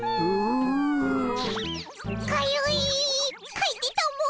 かいてたも！